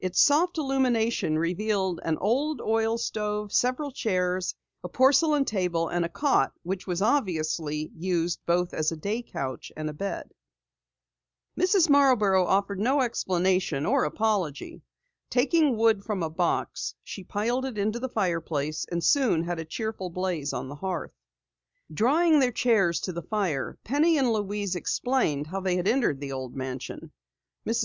Its soft illumination revealed an old oil stove, several chairs, a porcelain table and a cot which obviously served both as a day couch and bed. Mrs. Marborough offered no explanation or apology. Taking wood from a box, she piled it into the fireplace, and soon had a cheerful blaze on the hearth. Drawing their chairs to the fire, Penny and Louise explained how they had entered the old mansion. Mrs.